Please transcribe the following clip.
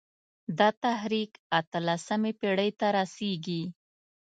دا تحریک اته لسمې پېړۍ ته رسېږي.